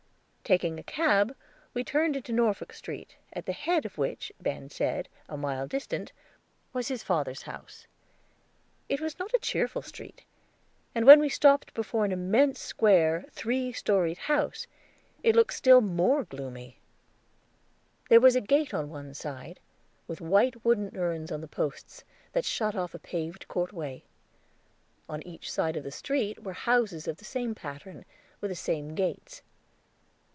Taking a cab, we turned into Norfolk Street, at the head of which, Ben said, a mile distant, was his father's house. It was not a cheerful street, and when we stopped before an immense square, three storied house, it looked still more gloomy! There was a gate on one side, with white wooden urns on the posts, that shut off a paved courtway. On each side of the street were houses of the same pattern, with the same gates.